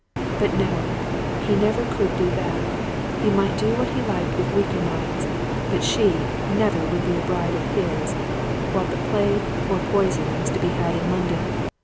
But no he never could do that, he might do what he liked with weaker minds, but she never would be a bride of his while the plague or poison was to be had in London.